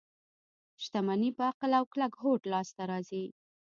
شتمني په عقل او کلک هوډ لاس ته راځي.